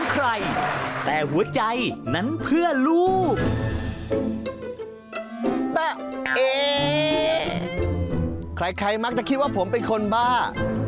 ใครมักจะคิดว่าผมเป็นคนบ้า